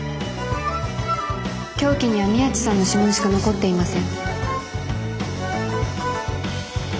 凶器には宮地さんの指紋しか残っていません。